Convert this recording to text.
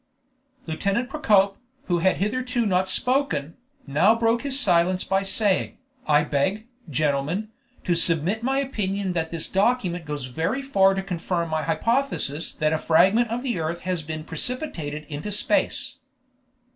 Lieutenant Procope, who had hitherto not spoken, now broke his silence by saying, "I beg, gentlemen, to submit my opinion that this document goes very far to confirm my hypothesis that a fragment of the earth has been precipitated into space."